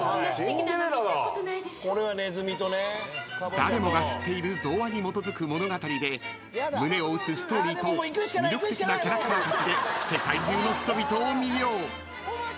［誰もが知っている童話に基づく物語で胸を打つストーリーと魅力的なキャラクターたちで世界中の人々を魅了］